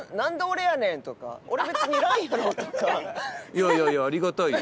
いやいやいやありがたいよ。